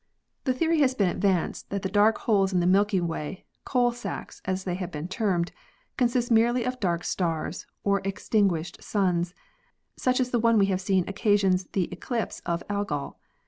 The theory has 2 9 o ASTRONOMY been advanced that the dark holes in the Milky Way, "coal sacks" as they have been termed, consist merely of dark stars or extinguished suns, such as the one we have seen occasions the eclipse of Algol.